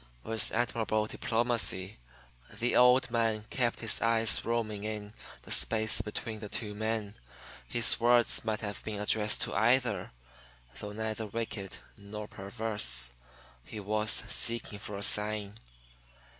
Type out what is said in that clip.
With admirable diplomacy the old man kept his eyes roaming in the space between the two men. His words might have been addressed to either. Though neither wicked nor perverse, he was seeking for a sign.